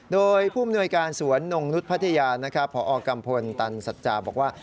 โดยภูมิหน่วยการสวนนงนุฏภัทยาพกัมพลตันสัจจาบอกว่า